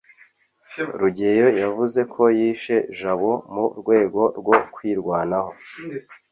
rugeyo yavuze ko yishe jabo mu rwego rwo kwirwanaho